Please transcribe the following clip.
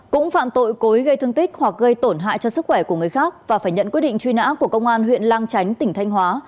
cũng phạm tội cối gây thương tích hoặc gây tổn hại cho sức khỏe của người khác và phải nhận quyết định truy nã của công an huyện lang chánh tỉnh thanh hóa